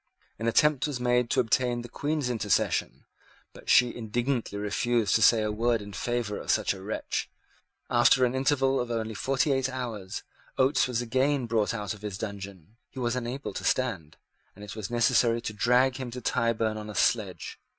An attempt was made to obtain the Queen's intercession; but she indignantly refused to say a word in favour of such a wretch. After an interval of only forty eight hours, Oates was again brought out of his dungeon. He was unable to stand, and it was necessary to drag him to Tyburn on a sledge.